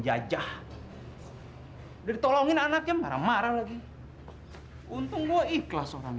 kemarin kenapa kamu berada di sini sekarang